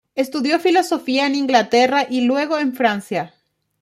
Estudió filosofía en Inglaterra y luego en Francia.